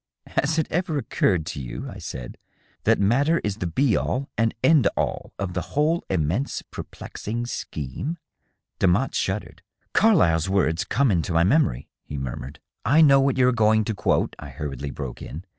" Has it ever occurred to you," I said, "that matter is the be all and end all of the whole immense, perplexing scheme?" Demotte shuddered. " Carlyle's words come into my memory," he murmured. .• "I know what you are going to quote," I hurriedly broke in.